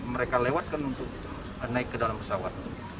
mereka lewatkan untuk naik ke dalam pesawat